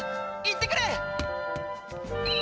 行ってくる！